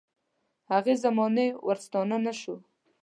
هغې زمانې ورستانه نه شو.